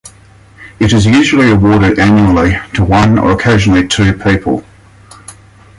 It is usually awarded annually to one or occasionally two people.